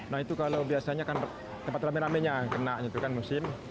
nah itu kalau biasanya tempat rame ramenya yang kena musim